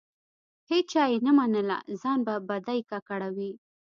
هیچا یې نه منله؛ ځان په بدۍ ککړوي.